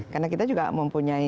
karena kita juga mempunyai